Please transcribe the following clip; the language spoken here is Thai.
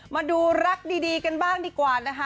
มาดูรักดีกันบ้างดีกว่านะคะ